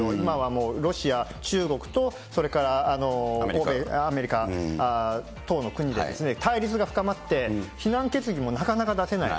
今はロシア、中国とそれから欧米、アメリカ等の国でですね、対立が深まって、非難決議もなかなか出せない。